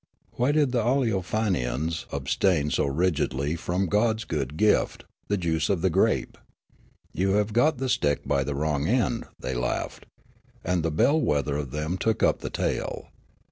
" Why did the Aleofanians abstain so rigidly from God's good gift, the juice of the grape ?"" You have got the stick by the wrong end," they laughed. And the bell wether of them took up the tale.